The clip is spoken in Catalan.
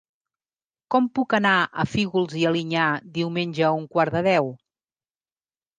Com puc anar a Fígols i Alinyà diumenge a un quart de deu?